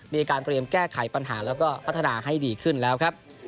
มีการเตรียมแก้ไขปัญหาแล้วก็พัฒนาให้ดีขึ้นแล้วครับ